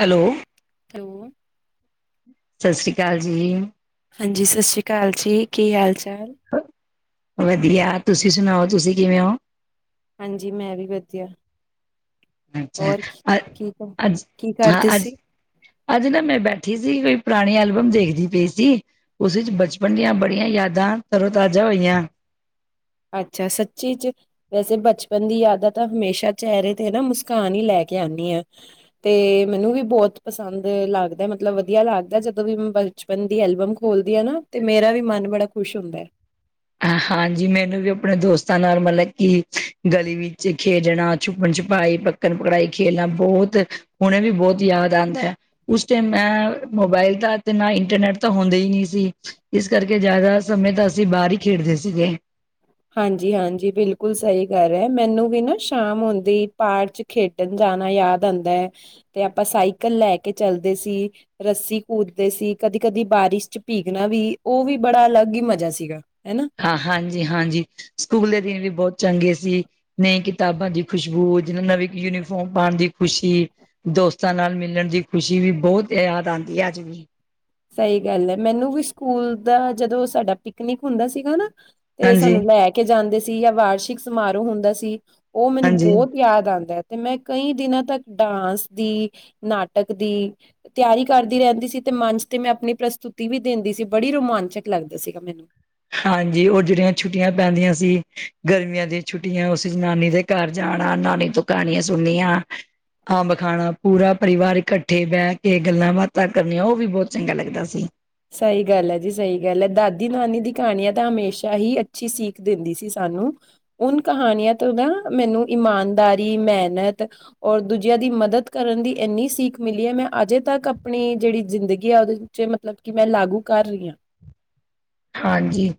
Hello hello ਸਤਿ ਸ਼੍ਰੀ ਅਕਾਲ ਜੀ ਹਾਂਜੀ ਸਤਿ ਸ਼੍ਰੀ ਅਕਾਲ ਜੀ ਕੀ ਹਾਲ ਚਾਲ ਵਧੀਆ ਤੁਸੀਂ ਸੁਣਾਓ ਤੁਸੀਂ ਕਿਵੇਂ ਔ ਹਾਂਜੀ ਮੈਂ ਵੀ ਵਧੀਆ ਅੱਛਾ ਹੋਰ ਕੀ ਅ ਕੀ ਕਰ- ਅੱਜ ਕੀ ਹਾਂ ਕਰਦੇ ਅੱਜ ਸੀ? ਅੱਜ ਨਾ ਮੈਂ ਬੈਠੀ ਸੀ ਕੋਈ ਪੁਰਾਣੀ ਐਲਬਮ ਦੇਖਦੀ ਪਈ ਸੀ ਉਸ ਵਿੱਚ ਬਚਪਨ ਦੀਆਂ ਬੜੀਆਂ ਯਾਦਾਂ ਤਰੋਤਾਜ਼ਾ ਹੋਈਆਂ ਅੱਛਾ ਸੱਚੀ ਚ ਵੈਸੇ ਬਚਪਨ ਦੀ ਯਾਦਾਂ ਤਾਂ ਹਮੇਸ਼ਾ ਚਿਹਰੇ ਤੇ ਨਾ ਮੁਸਕਾਨ ਹੀ ਲੈ ਕੇ ਆਉਂਨੀ ਆ ਤੇ ਮੈਨੂੰ ਵੀ ਬਹੁਤ ਪਸੰਦ ਲੱਗਦਾ ਮਤਲਬ ਵਧੀਆ ਲੱਗਦਾ ਜਦੋਂ ਵੀ ਮ ਬਚਪਨ ਦੀ ਐਲਬਮ ਖੋਲਦੀ ਹੈ ਨਾ ਤੇ ਮੇਰਾ ਵੀ ਮਨ ਬੜਾ ਖੁਸ਼ ਹੁੰਦਾ ਹੈ ਹਾਂਜੀ ਮੈਨੂੰ ਵੀ ਆਪਣੇ ਦੋਸਤਾਂ ਨਾਲ ਮਤਲਬ ਕਿ ਗਲੀ ਵਿੱਚ ਖੇਡਣਾ ਛੁਪਣ ਛੁਪਾਈ ਪ ਪਕੜਨ ਪਕੜਾਈ ਖੇਲਣਾ ਬਹੁਤ ਹੁਣੇ ਵੀ ਬਹੁਤ ਯਾਦ ਆਉਂਦਾ ਹੈ ਉਸ ਟਾਈਮ ਏਂ ਮੋਬਾਇਲ ਤਾਂ ਤੇ ਨਾ ਇੰਟਰਨੈਟ ਤਾਂ ਹੁੰਦਾ ਹੀ ਨਹੀਂ ਸੀ। ਇਸ ਕਰਕੇ ਜ਼ਿਆਦਾ ਸਮੇਂ ਤਾਂ ਅਸੀਂ ਬਾਹਰ ਹੀ ਖੇਡਦੇ ਸੀਗੇ ਹਾਂਜੀ ਹਾਂਜੀ ਬਿਲਕੁਲ ਸਹੀ ਗੱਲ ਹੈ ਮੈਨੂੰ ਵੀ ਨਾ ਸ਼ਾਮ ਹੁੰਦੀ ਪਾਰਕ ਚ ਖੇਡਣ ਜਾਣਾ ਯਾਦ ਆਉਂਦਾ ਹੈ ਤੇ ਆਪਾਂ ਸਾਈਕਲ ਲੈ ਕੇ ਚਲਦੇ ਸੀ ਰੱਸੀ ਕੂਦਦੇ ਸੀ ਕਦੀ ਕਦੀ ਬਾਰਿਸ਼ ਚ ਭੀਕਣਾ ਵੀ ਉਹ ਵੀ ਬੜਾ ਅਲੱਗ ਹੀ ਮਜ਼ਾ ਸੀਗਾ ਹੈ ਨਾ ਹਾਂ ਹਾਂਜੀ ਹਾਂਜੀ ਸਕੂਲ ਦੇ ਦਿਨ ਵੀ ਬਹੁਤ ਚੰਗੇ ਸੀ ਨਈ ਕਿਤਾਬਾਂ ਦੀ ਖੁਸ਼ਬੂ ਜਿਨੂੰ ਨਵੀ ਯੂਨੀਫਾਰਮ ਪਾਉਣ ਦੀ ਖੁਸ਼ੀ ਦੋਸਤਾਂ ਨਾਲ ਮਿਲਣ ਦੀ ਖੁਸ਼ੀ ਵੀ ਬਹੁਤ ਯਾਦ ਆਉਂਦੀ ਹੈ ਅੱਜ ਵੀ। ਸਹੀ ਗੱਲ ਹੈ ਮੈਨੂੰ ਵੀ ਸਕੂਲ ਦਾ ਜਦੋਂ ਸਾਡਾ ਪਿਕਨਿਕ ਹੁੰਦਾ ਸੀਗਾ ਨਾ ਤੇ ਸਾਨੂੰ ਹਾਂਜੀ-ਹਾਂਜੀ। ਲੈ ਕੇ ਜਾਂਦੇ ਸੀ ਯਾ ਵਾਰਸ਼ਿਕ ਸਮਾਰੋਹ ਹੁੰਦਾ ਸੀ ਉਹ ਮੈਨੂੰ ਬਹੁਤ ਯਾਦ ਆਉਂਦਾ ਹੈ ਤੇ ਮੈਂ ਕਈ ਦਿਨਾਂ ਤੱਕ ਡਾਂਸ ਦੀ ਨਾਟਕ ਦੀ ਤਿਆਰੀ ਕਰਦੀ ਰਹਿੰਦੀ ਸੀ ਤੇ ਮੰਚ ਤੇ ਮੈਂ ਆਪਣੀ ਪ੍ਰਸਤੁਤੀ ਵੀ ਦਿੰਦੀ ਸੀ ਬੜੀ ਰੋਮਾਂਚਕ ਲੱਗਦਾ ਸੀਗਾ ਮੈਨੂੰ। ਹਾਂਜੀ ਉਹ ਜਿਹੜੀਆਂ ਛੁੱਟੀਆਂ ਪੈਂਦੀਆਂ ਸੀ ਗਰਮੀਆਂ ਦੀਆਂ ਛੁੱਟੀਆਂ ਉਸ ਚ ਨਾਨੀ ਦੇ ਘਰ ਜਾਣਾ ਨਾਨੀ ਤੋਂ ਕਹਾਣੀਆਂ ਸੁਣਨੀਆ ਅੰਬ ਖਾਣਾ ਪੂਰਾ ਪਰਿਵਾਰ ਇਕੱਠੇ ਬਹਿ ਕੇ ਗੱਲਾਂ ਬਾਤਾਂ ਕਰਨੀਆਂ ਉਹ ਵੀ ਬਹੁਤ ਚੰਗਾ ਲੱਗਦਾ ਸੀ। ਸਹੀ ਗੱਲ ਹੈ ਜੀ ਸਹੀ ਗੱਲ ਹੈ ਦਾਦੀ ਨਾਨੀ ਦੀ ਕਹਾਣੀਆਂ ਤਾਂ ਹਮੇਸ਼ਾ ਹੀ ਅੱਛੀ ਸੀਖ਼ ਦਿੰਦੀ ਸੀ ਸਾਨੂੰ। ਉਨ ਕਹਾਣੀਆਂ ਤੋਂ ਨਾ ਮੈਨੂੰ ਇਮਾਨਦਾਰੀ ਮਿਹਨਤ ਔਰ ਦੂਜਿਆਂ ਦੀ ਮਦਦ ਕਰਨ ਦੀ ਇੰਨੀ ਸੀਖ ਮਿਲੀ ਹੈ ਮੈਂ ਅਜੇ ਤੱਕ ਆਪਣੀ ਜਿਹੜੀ ਜ਼ਿੰਦਗੀ ਆ ਉਹਦੇ ਚ ਮਤਲਬ ਕਿ ਮੈਂ ਲਾਗੂ ਕਰ ਰਹੀ ਆ ਹਾਂਜੀ।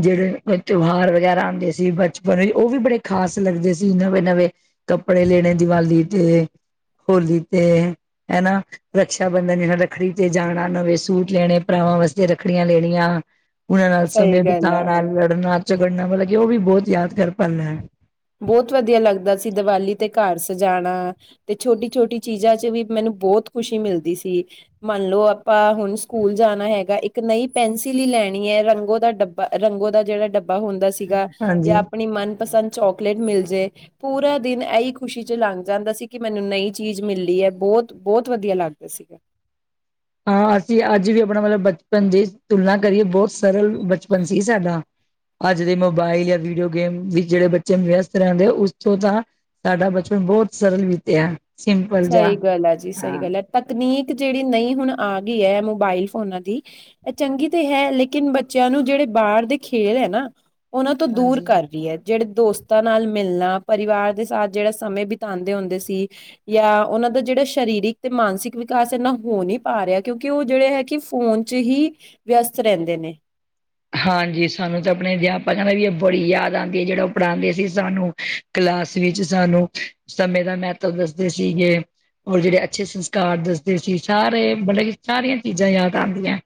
ਜਿਹੜੇ ਤਿਉਹਾਰ ਵਗੈਰਾ ਆਉਂਦੇ ਸੀ ਬਚਪਨ ਵਿੱਚ ਉਹ ਵੀ ਬੜੇ ਖ਼ਾਸ ਲੱਗਦੇ ਸੀ ਨਵੇਂ ਨਵੇਂ ਕੱਪੜੇ ਲੈਣੇ ਦੀਵਾਲੀ ਤੇ ਹੋਲੀ ਤੇ ਹੈਨਾ? ਰਕਸ਼ਾ ਬੰਧਨ ਰੱਖੜੀ ਤੇ ਜਾਣਾ ਨਵੇਂ ਸੂਟ ਲੈਣੇ ਭਰਾਵਾਂ ਵਾਸਤੇ ਰੱਖੜੀਆਂ ਲੈਣੀਆਂ। ਉਹਨਾਂ ਨਾਲ ਸਹੀ ਸਮੇਂ ਗੱਲ ਆ ਬਿਤਾਨਾ ਲੜਨਾ ਝਗੜਨਾ ਮਤਲਬ ਕਿ ਉਹ ਵੀ ਬਹੁਤ ਯਾਦ ਕਰ ਪਲ ਹੈ। ਬਹੁਤ ਵਧੀਆ ਲੱਗਦਾ ਸੀ ਦੀਵਾਲੀ ਤੇ ਘਰ ਸਜਾਣਾ। ਤੇ ਛੋਟੀ ਛੋਟੀ ਚੀਜ਼ਾਂ ਚ ਵੀ ਮੈਨੂੰ ਬਹੁਤ ਖੁਸ਼ੀ ਮਿਲਦੀ ਸੀ। ਮੰਨ ਲਓ ਆਪਾਂ ਹੁਣ ਸਕੂਲ ਜਾਣਾ ਹੈਗਾ ਇੱਕ ਨਈ ਪੈਨਸਿਲ ਹੀ ਲੈਣੀ ਹੈ ਰੰਗੋ ਦਾ ਡੱਬਾ ਰੰਗੋ ਦਾ ਜਿਹੜਾ ਡੱਬਾ ਹੁੰਦਾ ਸੀਗਾ ਯਾ ਹਾਂਜੀ ਆਪਣੀ ਮਨਪਸੰਦ ਚੋਕਲੇਟ ਮਿਲ ਜੇ ਪੂਰਾ ਦਿਨ ਇਹੀ ਖੁਸ਼ੀ ਚ ਲੰਘ ਜਾਂਦਾ ਸੀ ਕਿ ਮੈਨੂੰ ਨਈ ਚੀਜ਼ ਮਿਲੀ ਐ ਬੋਤ ਬੋਤ ਵਧੀਆ ਲੱਗਦਾ ਸੀ। ਹਾਂ ਅਸੀਂ ਅੱਜ ਵੀ ਆਪਣਾ ਮਤਲਬ ਬਚਪਨ ਦੀ ਤੁਲਨਾ ਕਰੀਏ ਬੋਤ ਸਰਲ ਬਚਪਨ ਸੀ ਸਾਡਾ। ਅੱਜ ਦੇ ਮੋਬਾਇਲ ਯਾ ਵੀਡੀਓ ਗੇਮ ਵੀ ਜਿਹੜੇ ਬੱਚੇ ਵਿਅਸਤ ਰਹਿੰਦੇ ਆ ਉਸ ਤੋਂ ਤਾਂ ਸਾਡਾ ਬਚਪਨ ਬਹੁਤ ਸਰਲ ਬੀਤਿਆ। ਸਿੰਪਲ ਜਾ ਸਹੀ ਗੱਲ ਐ ਜੀ ਸਹੀ ਗੱਲ ਐ ਤਕਨੀਕ ਜਿਹੜੀ ਨਈ ਹੁਣ ਆ ਗਈ ਐ ਮੋਬਾਇਲ ਫੋਨਾਂ ਦੀ ਇਹ ਚੰਗੀ ਤੇ ਹੈ ਲੇਕਿਨ ਬੱਚਿਆਂ ਨੂੰ ਜਿਹੜੇ ਬਾਹਰ ਦੇ ਖੇਲ ਐ ਨਾ ਉਹਨਾਂ ਤੋਂ ਦੂਰ ਹਾਂਜੀ। ਕਰਦੀ ਐ, ਜਿਹੜੇ ਦੋਸਤਾਂ ਨਾਲ ਮਿਲਣਾ ਪਰਿਵਾਰ ਦੇ ਸਾਥ ਜਿਹੜਾ ਸਮੇਂ ਬਿਤਾਉਂਦੇ ਹੁੰਦੇ ਸੀ ਯਾ ਉਹਨਾਂ ਦਾ ਜਿਹੜਾ ਸ਼ਰੀਰਿਕ ਤੇ ਮਾਨਸਿਕ ਵਿਕਾਸ ਇਨਾ ਹੋ ਨੀ ਪਾ ਰਿਆ ਕਿਉਂਕਿ ਉਹ ਜਿਹੜੇ ਐ ਕਿ ਫੋਨ ਵਿੱਚ ਹੀ ਵਿਅਸਤ ਰਹਿੰਦੇ ਨੇ। ਹਾਂਜੀ ਸਾਨੂੰ ਤਾਂ ਆਪਣੇ ਅਧਿਆਪਕ ਦੀ ਵੀ ਇਹ ਬੜੀ ਯਾਦ ਆਦੀ ਐ ਜਿਹੜਾ ਉਹ ਪੜਾਦੇ ਸੀ ਸਾਨੂੰ ਕਲਾਸ ਵਿੱਚ ਸਾਨੂੰ ਸਮੇਂ ਦਾ ਮਹੱਤਵ ਦੱਸਦੇ ਸੀਗੇ। ਔਰ ਜਿਹੜੇ ਅੱਛੇ ਸੰਸਕਾਰ ਦੱਸਦੇ ਸੀ ਸਾਰੇ ਮਤਲਬ ਕਿ ਸਾਰੀਆਂ ਚੀਜ਼ਾਂ ਯਾਦ ਆਦੀਆਂ।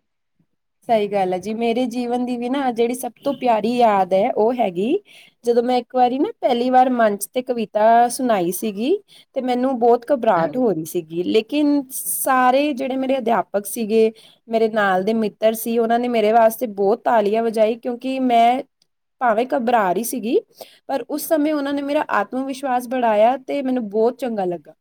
ਸਹੀ ਗੱਲ ਐ ਜੀ ਮੇਰੇ ਜੀਵਨ ਦੀ ਵੀ ਨਾ ਜਿਹੜੀ ਸਭ ਤੋਂ ਪਿਆਰੀ ਯਾਦ ਐ ਉਹ ਹੈਗੀ ਜਦੋਂ ਮੈਂ ਇੱਕ ਵਾਰੀ ਨਾ ਪਹਿਲੀ ਵਾਰ ਮੰਚ ਤੇ ਕਵਿਤਾ ਸੁਣਾਈ ਸੀਗੀ ਤੇ ਮੈਨੂੰ ਬਹੁਤ ਘਬਰਾਹਟ ਹੋ ਰੀ ਸੀਗੀ ਲੇਕਿਨ ਸਾਰੇ ਜਿਹੜੇ ਮੇਰੇ ਅਧਿਆਪਕ ਸੀਗੇ ਮੇਰੇ ਨਾਲ ਦੇ ਮਿੱ ਮਿੱਤਰ ਸੀ ਉਹਨਾਂ ਨੇ ਮੇਰੇ ਵਾਸਤੇ ਬਹੁਤ ਤਾਲੀਆਂ ਵਜਾਈ ਕਿਉਂਕਿ ਮੈਂ ਭਾਵੇਂ ਘਬਰਾ ਰੀ ਸੀਗੀ ਪਰ ਉਸ ਸਮੇਂ ਉਹਨਾਂ ਨੇ ਮੇਰਾ ਆਤਮ ਵਿਸ਼ਵਾਸ ਬਣਾਇਆ ਤੇ ਮੈਨੂੰ ਬਹੁਤ ਚੰਗਾ ਲੱਗਾ।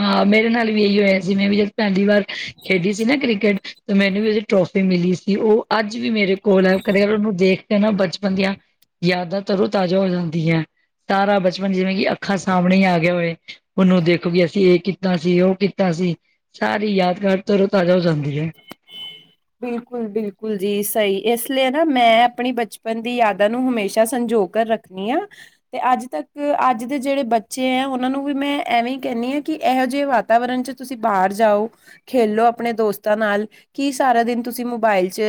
ਹਾਂ ਮੇਰੇ ਨਾਲ ਵੀ ਇਹੀ ਹੋਇਆ ਸੀ ਮੈਂ ਵੀ ਜਦ ਪਹਿਲੀ ਵਾਰ ਖੇਡੀ ਸੀ ਨਾ ਕ੍ਰਿਕਟ ਤੇ ਮੈਨੂੰ ਵੀ ਉਹਦੀ ਟਰੋਫੀ ਮਿਲੀ ਸੀ ਉਹ ਅੱਜ ਵੀ ਮੇਰੇ ਕੋਲ ਐ ਕਦੇ ਕਦਾਰ ਉਹਨੂੰ ਦੇਖ ਕੇ ਨਾ ਬਚਪਨ ਦੀਆਂ ਯਾਦਾਂ ਤਰੋ ਤਾਜ਼ਾ ਹੋ ਜਾਂਦੀਆਂ। ਸਾਰਾ ਬਚਪਨ ਜਿਵੇਂ ਕਿ ਅੱਖਾਂ ਸਾਹਮਣੇ ਈ ਆ ਗਿਆ ਹੋਵੇ ਉਹਨੂੰ ਦੇਖੋ ਇਹ ਕੀਤਾ ਸੀ ਉਹ ਕੀਤਾ ਸੀ ਸਾਰੀ ਯਾਦਗਾਰ ਤਰੋਂ ਤਾਜ਼ਾ ਹੋ ਜਾਂਦੀ ਐ। ਬਿਲਕੁਲ ਬਿਲਕੁਲ ਜੀ ਸਹੀ ਇਸ ਲਈ ਨਾ ਮੈਂ ਆਪਣੀ ਬਚਪਨ ਦੀ ਯਾਦਾਂ ਨੂੰ ਹਮੇਸ਼ਾ ਸੰਜੋ ਰੱਖਣੀ ਆ। ਤੇ ਅੱਜ ਤੱਕ ਅੱਜ ਦੇ ਜਿਹੜੇ ਬੱਚੇ ਐ ਉਹਨਾਂ ਨੂੰ ਵੀ ਮੈਂ ਐਵੇਂ ਹੀ ਕਹਿੰਨੀ ਆ ਕਿ ਇਹੋ ਜਿਹੇ ਵਾ ਵਾਤਾਵਰਨ ਚ ਤੁਸੀਂ ਬਾਹਰ ਜਾਓ, ਖੇਲੋ ਆਪਣੇ ਦੋਸਤਾਂ ਨਾਲ ਕੀ ਸਾਰਾ ਦਿਨ ਤੁਸੀਂ ਮੋਬਾਇਲ ਚ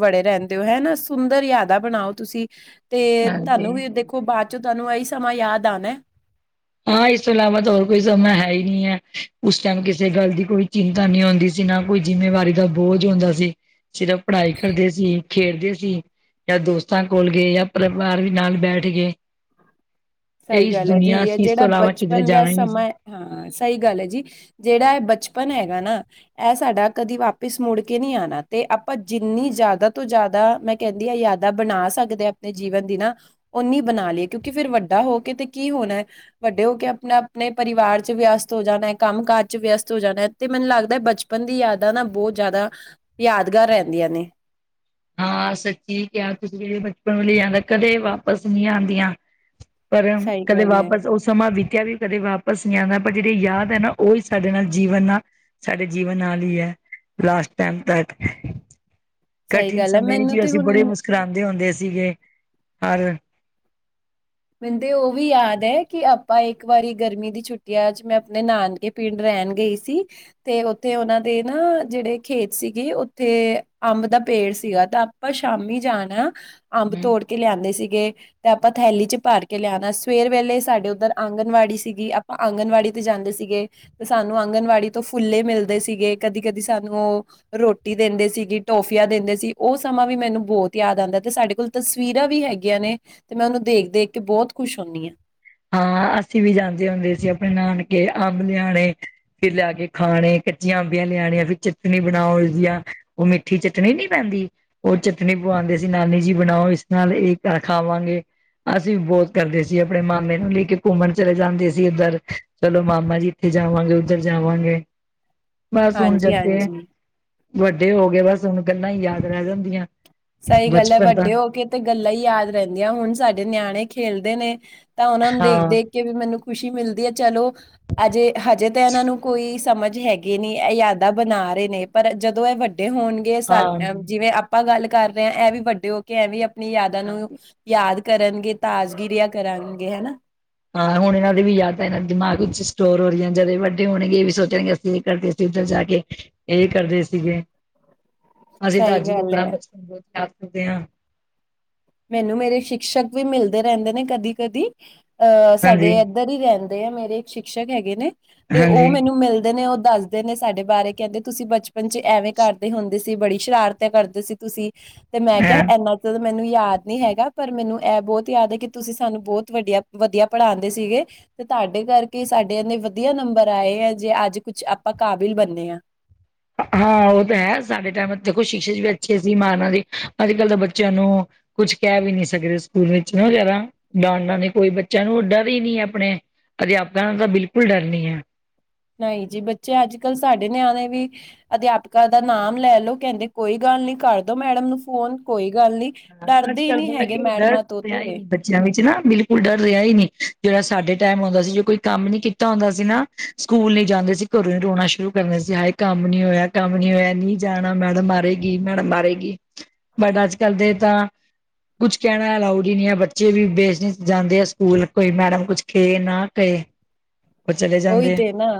ਵੜੇ ਰਹਿੰਦੇ ਹੋ ਹਨਾ ਸੁੰਦਰ ਯਾਦਾ ਬਣਾਓ ਤੁਸੀਂ ਤੇ ਹਾਂਜੀ ਤੁਹਾਨੂੰ ਵੀ ਹਾਂਜੀ ਦੇਖੋ ਬਾਅਦ ਚੋਂ ਤੁਹਾਨੂੰ ਇਹੀ ਸਮਾਂ ਯਾਦ ਆਣਾ। ਹਾਂ ਇਸ ਤੋਂ ਇਲਾਵਾ ਤਾਂ ਹੋਰ ਕੋਈ ਸਮਾਂ ਹੈ ਈ ਨੀ ਐ ਉਸ ਟਾਈਮ ਕਿਸੇ ਗੱਲ ਦੀ ਕੋਈ ਚਿੰਤਾ ਨੀ ਹੁੰਦੀ। ਜਿਨਾ ਕੋਈ ਜਿੰਮੇਵਾਰੀ ਦਾ ਬੋਝ ਹੁੰਂਦਾ ਸੀ, ਸਿਰਫ ਪੜ੍ਹਾਈ ਕਰਦੇ ਸੀ ਖੇਡਦੇ ਸੀ। ਜਾਂ ਦੋਸਤਾਂ ਕੋਲ ਗਏ ਜਾਂ ਪਰਿਵਾਰ ਵੀ ਨਾਲ ਬੈਠ ਗਏ। ਇਹ ਸਹੀ ਇਸ ਗੱਲ ਹੈ ਜੀ ਦੁਨੀਆਂ ਸੀ ਇਸ ਤੋਂ ਜਿਹੜਾ ਇਲਾਵਾ ਕਿਧਰੇ ਬਚਪਨ ਦਾ ਜਾਣਾ ਹੀ ਨਹੀਂ ਸੀ ਸਮਾਂ ਹਾਂ ਸਈ ਗੱਲ ਐ ਜੀ। ਜਿਹੜਾ ਇਹ ਬਚਪਨ ਹੈਗਾ ਨਾ ਇਹ ਸਾਡਾ ਕਦੀ ਵਾਪਿਸ ਮੁੜ ਕੇ ਨੀ ਆਣਾ, ਤੇ ਆਪਾਂ ਜਿੰਨੀ ਜ਼ਿਆਦਾ ਤੋਂ ਜ਼ਿਆਦਾ ਮੈਂ ਕਹਿੰਦੀ ਆ ਯਾਦਾ ਬਣਾ ਸਕਦੇ ਆਪਣੇ ਜੀਵਨ ਦੀ ਨਾ, ੳਨੀ ਬਣਾ ਲਈਏ ਕਿਉਂਕਿ ਫੇਰ ਵੱਡਾ ਵੱਡਾ ਹੋ ਕੇ ਤੇ ਕੀ ਹੋਣਾ ਵੱਡੇ ਹੋ ਕੇ ਆਪਣਾ ਆਪਣੇ ਪਰਿਵਾਰ ਚ ਵਿਅਸਤ ਹੋ ਜਾਣਾ ਕੰਮ ਕਾਜ ਚ ਵਿਅਸਤ ਹੋ ਜਾਣਾ ਤੇ ਮੈਨੂੰ ਲੱਗਦਾ ਬਚਪਨ ਦੀ ਯਾਦਾਂ ਨਾ ਬਹੁਤ ਜ਼ਿਆਦਾ ਯਾਦਗਾਰ ਰਹਿੰਦੀਆਂ ਨੇ। ਹਾਂ ਸੱਚੀ ਕਿਹਾ ਤੁਸੀਂ ਬਚਪਨ ਵਾਲੀ ਜਾਂਦਾ ਕਦੇ ਵਾਪਸ ਨੀ ਆਦੀਆਂ। ਪਰ ਸਹੀ ਕਦੇ ਗੱਲ ਹੈ ਵਾਪਸ ਉਸ ਸਮਾਂ ਬੀਤਿਆ ਵੀ ਕਦੇ ਵਾਪਸ ਨਹੀਂ ਆਂਦਾ, ਪਰ ਜਿਹੜੇ ਯਾਦ ਹੈ ਨਾ ਉਹੀ ਸਾਡੇ ਨਾਲ ਜੀਵਨ ਨਾਲ ਸਾਡੇ ਜੀਵਨ ਨਾਲ ਈ ਐ, ਲਾਸਟ ਟਾਇਮ ਤੱਕ। ਸਹੀ ਕਠਿਨ ਗੱਲ ਹੈ ਸਮੇਂ ਮੈਨੂੰ ਜੀ ਤੇ ਅਸੀਂ ਬੜੇ ਹੁਣ ਮੁਸਕਰਾਉਂਦੇ ਹੁੰਦੇ ਸੀਗੇ, ਹਰ ਮੈਨੂੰ ਤੇ ਉਹ ਵੀ ਯਾਦ ਐ, ਕਿ ਆਪਾਂ ਇੱਕ ਵਾਰੀ ਗਰਮੀ ਦੀ ਛੁੱਟੀਆ'ਚ ਮੈਂ ਅਪਣੇ ਨਾਨਕੇ ਪਿੰਡ ਰਹਿਣ ਗਈ ਸੀ ਤੇ ਉੱਥੇ ਉਹਨਾਂ ਦੇ ਨਾ, ਜਿਹੜੇ ਖੇਤ ਸੀਗੇ ਉੱਥੇ ਅੰਬ ਦਾ ਪੇੜ ਸੀਗਾ, ਤਾਂ ਆਪਾਂ ਸ਼ਾਮੀ ਜਾਣਾ ਅੰਬ ਤੋੜਕੇ ਲਿਆਂਦੇ ਸੀਗੇ, ਤੇ ਆਪਾ ਥੈਲੀ'ਚ ਭਰਕੇ ਲਿਆਣਾ, ਸਵੇਰ ਵੇਲੇ ਸਾਡੇ ਉੱਧਰ ਆਂਗਣਵਾੜੀ ਸੀਗੀ, ਆਪਾ ਆਂਗਨਵਾੜੀ 'ਤੇ ਜਾਂਦੇ ਸੀਗੇ। ਤੇ ਸਾਨੂੰ ਆਂਗਨਵਾੜੀ ਤੋਂ ਫੁੱਲੇ ਮਿਲਦੇ ਸੀਗੇ, ਕਦੀ-ਕਦੀ ਸਾਨੂੰ ਉਹ ਰ੍ਹੋਟੀ ਦਿੰਦੇ ਸੀ ਜੀ, ਟੋਫਿਆ ਦਿੰਦੇ ਸੀ, ਉਹ ਸਮਾਂ ਵੀ ਮੈਨੂੰ ਬਹੁਤ ਯਾਦ ਆਂਦਾ ਤੇ ਸਾਡੇ ਕੋਲ ਤਸਵੀਰਾ ਵੀ ਹੈਗੀਆਂ ਨੇ, ਤੇ ਮੈਂ ਉਹਨੂੰ ਦੇਖ-ਦੇਖਕੇ ਬਹੁਤ ਖੁਸ਼ ਹੁੰਨੀ ਆ। ਹਾਂ, ਅਸੀਂ ਵੀ ਜਾਂਦੇ ਹੁੰਦੇ ਸੀ ਆਪਣੇ ਨਾਨਕੇ ਅੰਬ ਲਿਆਣੇ ਫਿਰ ਲਿਆਕੇ ਖਾਣੇ, ਕੱਚੀਆਂ ਅੰਬੀਆਂ ਲਿਆਣੀਆਂ ਫਿਰ ਚਟਨੀ ਬਣਾਓ ਉਸਦੀਆ। ਉਹ ਮਿੱਠੀ ਚਟਣੀ ਨੀ ਪੈਂਦੀ। ਉਹ ਚਟਨੀ ਪਵਾਂਦੇ ਸੀ, ਨਾਨੀ ਜੀ ਬਣਾਓ ਇਸ ਨਾਲ, ਏ ਖਾਵਾਂਗੇ। ਅਸੀ ਵੀ ਬਹੁਤ ਕਰਦੇ ਸੀ, ਅਪਣੇ ਮਾਮੇ ਲੇਕੇ ਘੁੰਮਣ ਚਲੇ ਜਾਂਦੇ ਸੀ ਉੱਧਰ, ਚਲੋ ਮਾਮਾ ਜੀ ਇੱਥੇ ਜਾਵਾਂਗੇ, ਉੱਧਰ ਜਾਵਾਂਗੇ। ਬਸ ਹੁਣ ਜਦ ਦੇ ਹਾਂਜੀ-ਹਾਂਜੀ। ਵੱਡੇ ਹੋਗੇ, ਬਸ ਹੁਣ ਗੱਲਾਂ ਯਾਦ ਰਹਿ ਜਾਂਦੀਆਂ। ਸਹੀ ਗੱਲ ਐ, ਬਚਪਨ ਤਾਂ ਵੱਡੇ ਹੋਕੇ ਤੇ ਗੱਲਾ ਈ ਯਾਦ ਰਹਿੰਦੀਆਂ, ਹੁਣ ਸਾਡੇ ਨਿਆਣੇ ਖੇਲਦੇ ਨੇ ਤਾਂ ਉਹਨਾ ਨੂੰ ਹਾਂ ਦੇਖ-ਦੇਖਕੇ ਵੀ ਮੈਨੂੰ ਖੁਸ਼ੀ ਮਿਲਦੀ ਏ, ਚਲੋ ਅਜੇ, ਹਜੇ ਤਾਂ ਇਹਨਾਂ ਨੂੰ ਕੋਈ ਸਮਝ ਹੈ ਕਿ ਨਹੀ, ਇਹ ਯਾਦਾਂ ਬਣਾ ਰਹੇ ਨੇ, ਪਰ ਜਦੋਂ ਇਹ ਵੱਡੇ ਹੋਣਗੇ ਸਾ, ਹਾਂ ਜਿਵੇਂ ਆਪਾ ਗੱਲ ਕਰ ਰਹੇ ਆਂ, ਐਵੀ ਵੱਡੇ ਹੋਕੇ ਐਂਵੀ ਆਪਣੀ ਯਾਦਾਂ ਨੂੰ ਹਾਂਜੀ। ਯਾਦ ਕਰਨਗੇ, ਤਾਜਗੀਰੀਆਂ ਕਰਨਗੇ, ਹੈਨਾ। ਹਾਂ ਹੁਣ ਇਹਨਾਂ ਦੇ ਵੀ ਯਾਦ ਤਾਂ ਇਹਨਾਂ ਦਿਮਾਗ ਵਿੱਚ ਸਟੋਰ ਹੋ ਰਹੀਆਂ, ਜਦੋਂ ਏ ਵੱਡੇ ਹੋਣਗੇ ਇਹ ਵੀ ਸੋਚਣਗੇ ਅਸੀਂ ਇਹ ਕਰਦੇ ਤੇ ਉੱਧਰ ਜਾਕੇ, ਏ ਕਰਦੇ ਸੀਗੇ। ਅਸੀਂ ਤਾਂ ਸਹੀ ਅੱਜ ਵੀ ਗੱਲ ਅਪਣਾ ਐ। ਬਚਪਨ ਯਾਦ ਕਰਦੇ ਆਂ। ਮੈਨੂੰ ਮੇਰੇ ਸ਼ਿਕਸ਼ਕ ਵੀ ਮਿਲਦੇ ਰਹਿੰਦੇ ਨੇ ਕਦੀ-ਕਦੀ, ਅਹ ਹਾਂਜੀ ਸਾਡੇ ਇੱਧਰ ਹੀ ਰਹਿੰਦੇ ਆ ਮੇਰੇ ਇੱਕ ਸ਼ਿਕਸ਼ਕ ਹੈਗੇ ਨੇ, ਤੇ ਉਹ ਹਾਂਜੀ ਮੈਨੂੰ ਮਿਲਦੇ ਨੇ ਉਹ ਦੱਸ ਨੇ ਸਾਡੇ ਬਾਰੇ ਕਹਿੰਦੇ ਤੁਸੀਂ ਬਚਪਨ'ਚ ਐਵੇਂ ਕਰਦੇ ਹੁੰਦੇ ਸੀ, ਬੜੀ ਸ਼ਰਾਰਤ ਕਰਦੇ ਸੀ ਤੁਸੀ। ਤੇ, ਮੈਂ ਹੈਂ ਕਿਹਾ, ਇਨਾ ਕ ਤ ਮੈਨੂੰ ਯਾਦ ਨਹੀਂ ਹੈਗਾ, ਪਰ ਮੈਨੂੰ ਐ ਬਹੁਤ ਯਾਦ ਏ, ਕਿ ਤੁਸੀਂ ਸਾਨੂੰ ਬਹੁਤ ਵਧੀਆ-ਵਧੀਆ ਪੜ੍ਹਾਂਦੇ ਸੀਗੇ। ਤੇ ਧਹਾਡੇ ਕਰਕੇ ਸਾਡੇ ਏਨੇ ਵਧੀਆ ਨੰਬਰ ਆਏ ਆ, ਜੇ ਅੱਜ ਕੁਛ ਆਪਾਂ ਕਾਬਿਲ ਬੰਨੇ ਆ। ਹਾਂ ਉਹ ਤਾਂ ਹੈ, ਸਾਡੇ ਟਾਈਮ ਦੇਖੋ ਸ਼ਿਕਸ਼ੇ ਵੀ ਅੱਛੇ ਸੀ, ਮਾਰਨਾ ਤੇ, ਅੱਜ-ਕੱਲ ਤਾ ਬੱਚਿਆਂ ਨੂੰ ਕੁਛ ਕਹਿ ਵੀ ਨਹੀਂ ਸਕਦੇ ਸਕੂਲ ਵਿੱਚ ਜਰਾ, ਡਾਂਟਣਾ ਨੀ ਕੋਈ ਬੱਚਿਆਂ ਨੂੰ, ਡਰ ਈ ਨਹੀਂ ਅਪਣੇ ਅਧਿਆਪਕਾਂ ਦਾ ਤਾਂ ਬਿਲਕੁਲ ਡਰ ਨੀ ਐ। ਨਹੀਂ ਜੀ, ਬੱਚੇ ਅੱਜ-ਕੱਲ ਸਾਡੇ ਨਿਆਣੇ ਵੀ ਅਧਿਆਪਕਾ ਦਾ ਨਾਮ ਲੈਲੋ, ਕਹਿੰਦੇ ਕੋਈ ਗੱਲ ਨੀ ਕਰਦੋ ਮੈਡਮ ਨੂੰ ਫੋਨ, ਕੋਈ ਗੱਲ ਨੀ। ਹਾਂ, ਅੱਜ ਡਰਦੇ ਈ ਕੱਲ ਨਹੀਂ ਬੜਾ ਹੈਗੇ, ਕਿ ਡਰ ਮੈਡਮਾਂ ਤੋਂ ਰਿਹਾ ਹੀ ਤੇ। ਨਹੀਂ ਬੱਚਿਆਂ ਵਿੱਚ ਨਾ, ਬਿਲਕੁਲ ਡਰ ਰਿਹਾ ਈ ਨਹੀਂ, ਜਿਹੜਾ ਸਾਡੇ ਟਾਈਮ ਹੋਂਦਾ ਸੀ, ਜੋ ਕੋਈ ਕੰਮ ਨੀ ਕੀਤਾ ਹੁੰਦਾ ਸੀ ਨਾ ਸਕੂਲ ਨੀ ਜਾਂਦੇ ਸੀ, ਘਰੋਂ ਈ ਰੋਣਾ ਸ਼ੁਰੂ ਕਰ ਦਿੰਦੇ ਸੀ, ਹਾਏ ਕੰਮ ਨੀ ਹੋਇਆ, ਕੰਮ ਨੀ ਹੋਇਆ ਨੀ। ਜਾਣਾ, ਮੈਡਮ ਮਾਰੇਗੀ, ਮੈਡਮ ਮਾਰੇਗੀ, ਬਟ ਅੱਜ-ਕੱਲ ਦੇ ਤਾਂ ਕੁਛ ਕਹਿਣਾ ਅਲਾਊਡ ਈ ਨਹੀਂ ਐ, ਬੱਚੇ ਵੀ ਵੇਸਟਜ ਜਾਂਦੇ ਆ ਸਕੂਲ ਕੋਈ ਮੈਡਮ ਕੁਛ ਕਹੇ ਨਾ ਕਏ। ਓਈ ਤੇ ਨਾ।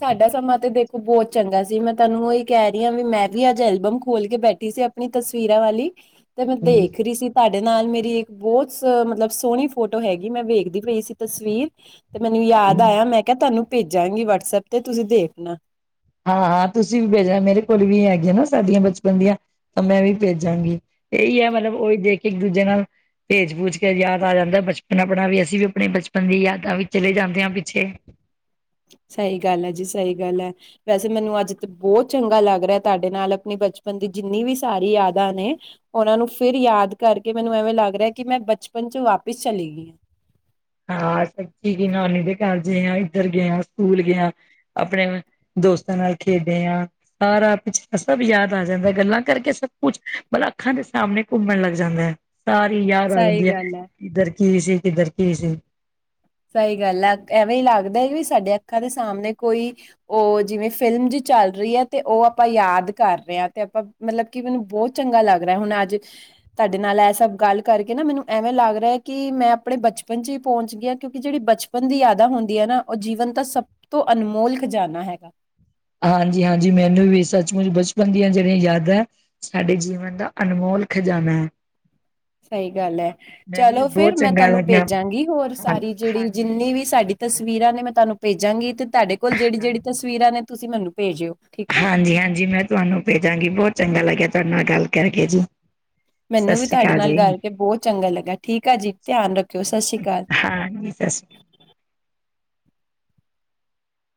ਸਾਡਾ ਸਮਾਂ ਤੇ ਦੇਖੋ ਬੋਤ ਚੰਗਾ ਸੀ ਮੈਂ ਤੁਹਾਨੂੰ ਓਈ ਕੈ ਰੀਆ ਵੀ ਮੈਂ ਵੀ ਅੱਜ ਐਲਬਮ ਖੋਲ ਕੇ ਬੈਠੀ ਸੀ ਅ ਆਪਣੀ ਤਸਵੀਰਾਂ ਵਾਲੀ ਤੇ ਮੈਂ ਦੇਖ ਆ ਰੀ ਸੀ ਤੁਹਾਡੇ ਨਾਲ ਮੇਰੀ ਇੱਕ ਬੋਤ ਸ ਮਤਲਬ ਸੋਣੀ ਫੋਟੋ ਹੈਗੀ ਮੈਂ ਵੇਖਦੀ ਪਈ ਸੀ ਤਸਵੀਰ ਤੇ ਮੈਨੂੰ ਯਾਦ ਆਇਆ ਮੈਂ ਕਿਆ ਤੁਹਾਨੂੰ ਭੇਜਾਂਗੀ ਵਟਸਐਪ ਤੇ ਤੁਸੀਂ ਦੇਖਣਾ। ਹਾਂ-ਹਾਂ ਤੁਸੀਂ ਵੀ ਭੇਜਣਾ ਮੇਰੇ ਕੋਲ ਵੀ ਹੈਗੀਆਂ ਨਾ ਸਾਡੀਆਂ ਬਚਪਨ ਦੀਆਂ। ਤਾਂ ਮੈਂ ਵੀ ਭੇਜਾਂਗੀ ਏਹੀ ਐ ਮਤਲਬ ਓਈ ਦੇਖ ਕੇ ਇੱਕ ਦੂਜੇ ਨਾਲ ਭੇਜ-ਭੂਜ ਕੇ ਯਾਦ ਆ ਜਾਂਦਾ ਬਚਪਨ ਆਪਣਾ ਵੀ ਅਸੀਂ ਵੀ ਆਪਣੇ ਬਚਪਨ ਦੀ ਯਾਦਾਂ ਵੀ ਚਲੇ ਜਾਂਦੇ ਆ ਪਿੱਛੇ। ਸਈ ਗੱਲ ਐ ਜੀ ਸਈ ਗੱਲ ਐ। ਵੈਸੇ ਮੈਨੂੰ ਅੱਜ ਤ ਚੰਗਾ ਲੱਗ ਰਿਆ ਤੁਹਾਡੇ ਨਾਲ ਆਪਣੀ ਬਚਪਨ ਦੀ ਜਿੰਨੀ ਵੀ ਸਾਰੀ ਯਾਦਾਂ ਨੇ ਓਨਾਂ ਨੂੰ ਫਿਰ ਯਾਦ ਕਰਕੇ ਮੈਨੂੰ ਐਵੇਂ ਲੱਗ ਰਿਆ ਕੀ ਮੈਂ ਬਚਪਨ ਚ ਵਾਪਿਸ ਚਲੀ ਗਈ ਆ। ਹਾਂ ਸਭ [unintelligible] ਨਾਨੀ ਦੇ ਘਰਜੇ ਆ ਇੱਧਰ ਗਿਆ ਸਕੂਲ ਗਿਆ ਆਪਣੇ ਦੋਸਤਾਂ ਨਾਲ ਖੇਡੇ ਆ ਸਾਰਾ ਪਿਛੜਾ ਸਭ ਯਾਦ ਆ ਜਾਂਦਾ ਗੱਲਾਂ ਕਰਕੇ ਸਭ ਕੁਛ ਮਨ ਅੱਖਾਂ ਦੇ ਸਾਮਣੇ ਘੁੰਮਣ ਲੱਗ ਜਾਂਦੈ। ਸਾਰੀ ਯਾਦ ਆ ਸਹੀ ਜਾਂਦੀ ਐ ਗੱਲ ਹੈ ਕਿੱਧਰ ਕੀ ਸੀ ਕਿੱਧਰ ਕੀ ਸੀ। ਸਈ ਗੱਲ ਐ ਐਵੇਂ ਈ ਲੱਗਦਾ ਵੀ ਸਾਡੇ ਅੱਖਾਂ ਦੇ ਸਾਮਣੇ ਕੋਈ ਓ ਜਿਵੇਂ ਫਿਲਮ ਜੀ ਚੱਲ ਰੀਆ ਤੇ ਓ ਆਪਾਂ ਯਾਦ ਕਰ ਰਿਆ ਤੇ ਆਪਾਂ ਮਤਲਬ ਕੀ ਮੈਨੂੰ ਬੋਤ ਚੰਗਾ ਲੱਗ ਰਿਆ ਹੁਣ ਅੱਜ ਤਾਡੇ ਨਾਲ ਐ ਸਭ ਗੱਲ ਕਰਕੇ ਨਾ ਮੈਨੂੰ ਐਵੇਂ ਲੱਗ ਰਿਐ ਕੀ ਮੈਂ ਆਪਣੇ ਬਚਪਨ ਚ ਈ ਪਹੁੰਚ ਗਿਆ ਕਿਉਂਕੀ ਜੇੜੀ ਬਚਪਨ ਦੀ ਯਾਦਾਂ ਹੁੰਦੀ ਐ ਨਾ ਓ ਜੀਵਨ ਦਾ ਸਭ ਤੋਂ ਅਨਮੋਲ ਖਜ਼ਾਨਾ ਹੈਗਾ। ਹਾਂਜੀ-ਹਾਂਜੀ ਮੈਨੂੰ ਵੀ ਸੱਚਮੁੱਚ ਬਚਪਨ ਦੀਆਂ ਜੇੜੀਆਂ ਯਾਦਾਂ ਸਾਡੇ ਜੀਵਨ ਦਾ ਅਨਮੋਲ ਖਜਾਨਾ ਐ। ਸਈ ਗੱਲ ਐ ਮੈਨੂੰ ਵੀ ਚਲੋ ਫੇਰ ਬਹੁਤ ਮੈਂ ਚੰਗਾ ਤੁਹਾਨੂੰ ਲੱਗਿਆ ਭੇਜਾਂਗੀ ਹੋਰ ਸਾਰੀ ਜੇੜੀ ਹਾਂਜੀ। ਜਿੰਨੀ ਵੀ ਸਾਡੀ ਤਸਵੀਰਾਂ ਨੇ ਮੈਂ ਤੁਹਾਨੂੰ ਭੇਜਾਂਗੀ ਤਹਾਡੇ ਕੋਲ ਜੇੜੀ-ਜੇੜੀ ਤਸਵੀਰਾਂ ਨੇ ਤੁਸੀਂ ਮੈਨੂੰ ਭੇਜਿਓ ਠੀ ਹਾਂਜੀ-ਹਾਂਜੀ ਮੈਂ ਤੁਹਾਨੂੰ ਭੇਜਾਂਗੀ ਬੋ ਚੰਗਾ ਲੱਗਿਆ ਤੁਹਾਡੇ ਨਾਲ ਗੱਲ ਕਰਕੇ ਜੀ। ਸਤਿ ਮੈਨੂੰ ਵੀ ਸ੍ਰੀ ਤੁਹਾਡੇ ਅਕਾਲ ਨਾਲ ਜੀ ਗੱਲਕੇ ਬੋ ਚੰਗਾ ਲੱਗਾ ਠੀਕ ਆ ਜੀ ਧਿਆਨ ਰੱਖਿਓ ਸਸ ਸ਼੍ਰੀ ਕਾਲ। ਹਾਂਜੀ ਸਤਿ ਸ੍ਰੀ ਅਕਾਲ।